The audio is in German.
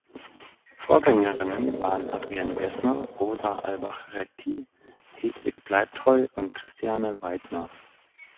Vorgängerinnen waren Adrienne Gessner, Rosa Albach-Retty, Hedwig Bleibtreu und Christiane Weidner.